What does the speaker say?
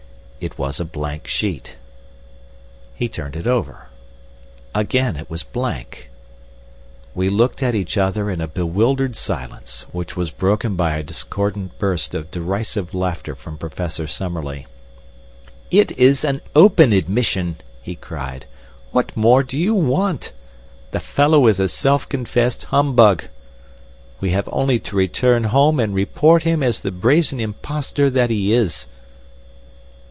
It was a blank sheet. He turned it over. Again it was blank. We looked at each other in a bewildered silence, which was broken by a discordant burst of derisive laughter from Professor Summerlee. "It is an open admission," he cried. "What more do you want? The fellow is a self confessed humbug. We have only to return home and report him as the brazen imposter that he is."